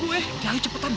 emang dia gak jadi armenia